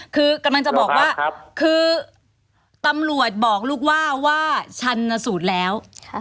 คือกำลังจะบอกว่าคือตำรวจบอกลูกว่าว่าชันสูตรแล้ว